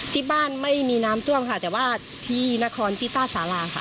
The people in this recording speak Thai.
ที่บ้านไม่มีน้ำท่วมค่ะแต่ว่าที่นครพิต้าสาราค่ะ